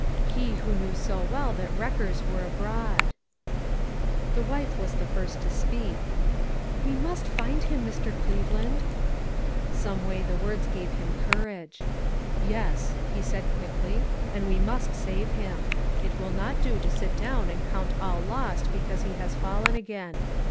He who knew so well that wreckers were • abroad. The wife was the first to speak : "We must find him, Mr. Cleveland." Some way the words gave him courage. "Yes," he said quickly, "and we must save him. It will not do to sit down and count all lost because he has fallen again.